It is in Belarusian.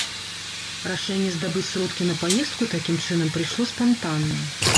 Рашэнне здабыць сродкі на паездку такім чынам прыйшло спантанна.